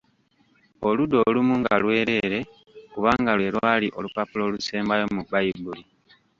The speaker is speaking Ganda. Oludda olumu nga lwereere, kubanga lwe lwali olupapula olusembayo mu Baibuli.